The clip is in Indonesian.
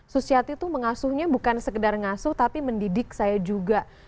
susiati itu mengasuhnya bukan sekedar ngasuh tapi mendidik saya juga